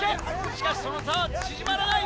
しかしその差は縮まらない。